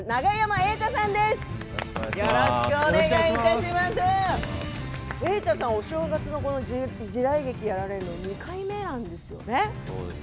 瑛太さん、お正月のこの時代劇をやられるのはそうですね。